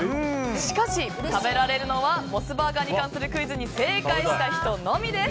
しかし、食べられるのはモスバーガーに関するクイズに正解した人のみです。